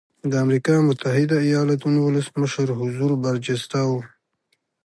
د امریکا متحده ایالتونو ولسمشر حضور برجسته و.